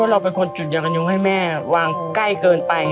เราเป็นคนจุดยากันยุงให้แม่วางใกล้เกินไป